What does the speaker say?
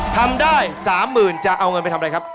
ทำได้๓๐๐๐จะเอาเงินไปทำอะไรครับ